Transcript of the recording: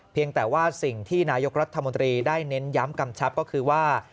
แต่ว่าสิ่งที่นายกรัฐมนตรีได้เน้นย้ำกำชับก็คือว่า